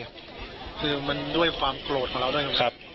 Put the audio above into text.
คุณบ๊วยว่ามันด้วยความโปรดของเราด้วยไหมครับ